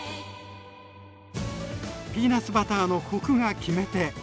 ピーナツバターのコクが決め手。